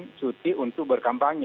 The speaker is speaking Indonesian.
bukan izin cuti untuk berkampanye